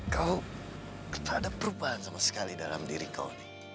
kau tak ada perubahan sama sekali dalam diri kau